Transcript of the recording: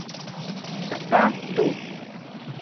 kapah tu